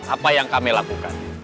apa yang kami lakukan